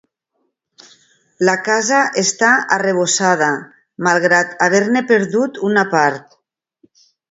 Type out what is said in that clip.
La casa està arrebossada, malgrat haver-ne perdut una part.